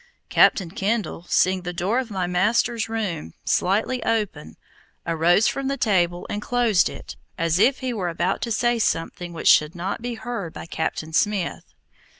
Captain Kendall, seeing the door of my master's room slightly open, arose from the table and closed it, as if he were about to say something which should not be heard by Captain Smith.